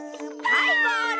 はいゴール！